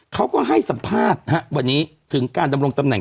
เขาก็ให้สัมภาษณ์วันนี้ถึงการดำรงตำแหน